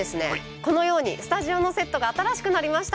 このようにスタジオのセットが新しくなりました！